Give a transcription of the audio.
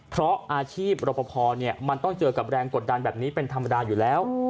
เพราะอาชีพรปภมันต้องเจอกับแรงกดดันแบบนี้เป็นธรรมดาอยู่แล้ว